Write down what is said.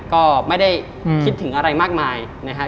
ก็ไม่ได้คิดถึงอะไรมากมายนะครับ